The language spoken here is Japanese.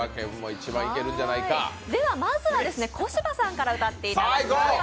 まずは小柴さんから歌っていただきます。